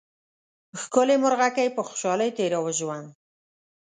ښکلې مرغکۍ په خوشحالۍ تېراوه ژوند